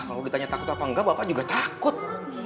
kalau ditanya takut apa enggak bapak juga takut